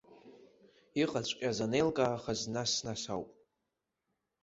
Иҟаҵәҟьаз анеилкаахаз нас-нас ауп.